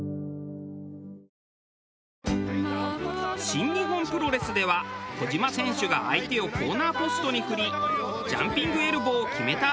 新日本プロレスでは小島選手が相手をコーナーポストに振りジャンピングエルボーを決めた